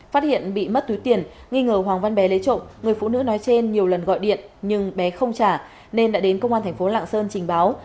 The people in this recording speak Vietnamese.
phát hiện bị mất túi tiền nghi ngờ hoàng văn bé lấy trộm người phụ nữ nói trên nhiều lần gọi điện nhưng bé không trả nên đã đến công an thành phố lạng sơn trình báo